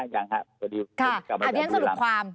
ยังครับสวัสดีค่ะ